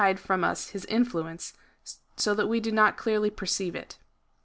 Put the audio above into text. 101 from us his influence, so that we do not clearly perceive it.